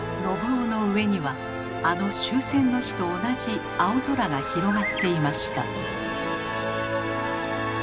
信雄の上にはあの終戦の日と同じ青空が広がっていました。